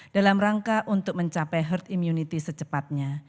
dalam rangka untuk mencapai herd immunity secepatnya